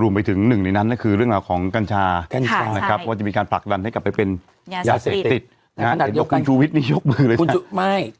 รูมไปถึงหนึ่งในนั้นคือเรื่องของกัญชาว่าจะมีการผลักดันให้กลับไปเป็นยศติต